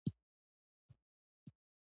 هغه دا چې لیکوالي د زر او زور کار نه دی.